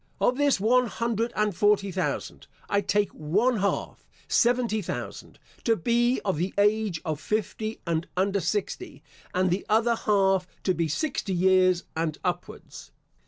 Of this one hundred and forty thousand, I take one half, seventy thousand, to be of the age of fifty and under sixty, and the other half to be sixty years and upwards.